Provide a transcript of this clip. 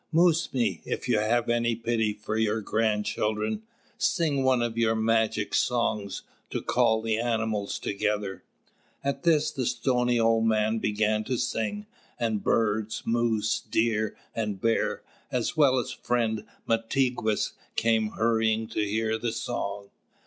"Mūs mī, if you have any pity for your grandchildren, sing one of your magic songs to call the animals together." At this the stony old man began to sing, and Birds, Moose, Deer, and Bear, as well as friend Mātigwess, came hurrying to hear the song.